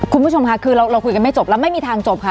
คุณผู้ชมค่ะคือเราคุยกันไม่จบแล้วไม่มีทางจบค่ะ